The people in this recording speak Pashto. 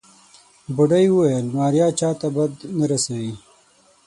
بوډۍ وويل ماريا چاته بد نه رسوي.